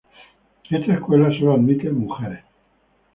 Esta escuela solo admite mujeres.